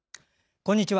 こんにちは。